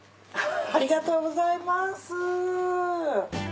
ありがとうございます。